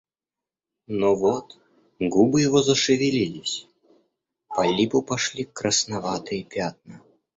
Но вот губы его зашевелились, по липу пошли красноватые пятна.